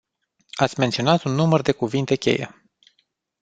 Ați menționat un număr de cuvinte cheie.